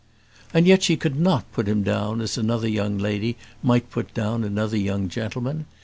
And yet she could not put him down as another young lady might put down another young gentleman.